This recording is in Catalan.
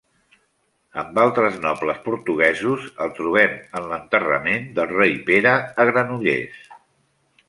Amb altres nobles portuguesos, el trobem en l'enterrament del rei Pere a Granollers.